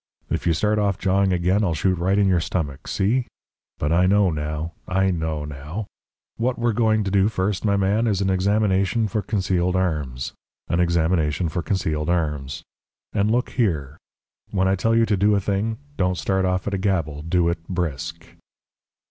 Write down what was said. If you start off jawing again, I'll shoot right in your stomach. See? But I know now I know now! What we're going to do first, my man, is an examination for concealed arms an examination for concealed arms. And look here! When I tell you to do a thing, don't start off at a gabble do it brisk."